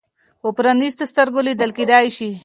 په پرانیستو سترګو لیدل کېدای شي.